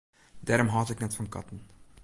Dêrom hâld ik net fan katten.